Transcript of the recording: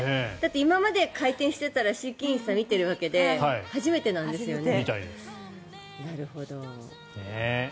今まで回転していたら飼育員さん見ているわけで初めてなんですよね。